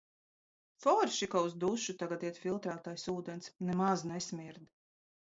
Forši, ka uz dušu tagad iet filtrētais ūdens – nemaz nesmird.